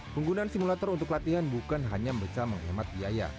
penggunaan simulator untuk latihan bukan hanya bisa menghemat biaya